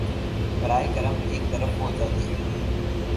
براہ کرم ایک طرف ہو جایئے